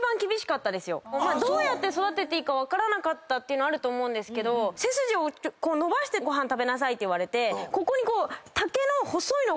どう育てていいか分からなかったっていうのあると思うけど「背筋を伸ばしてご飯食べなさい」って言われて。